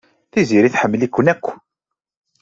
Tiziri tḥemmel-iken akk.